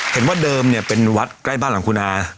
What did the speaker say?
เห็นว่าเดิมเนี่ยเป็นวัดใกล้บ้านหลังคุณอา